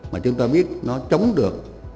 mà chúng ta biết nó chống được